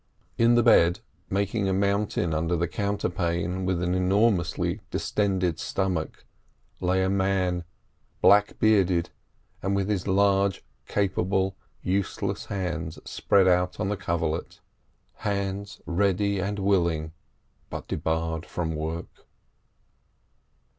In the bed, making a mountain under the counterpane with an enormously distended stomach, lay a man, black bearded, and with his large, capable, useless hands spread out on the coverlet—hands ready and willing, but debarred from work.